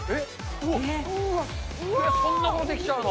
うわっ、そんなことできちゃうの？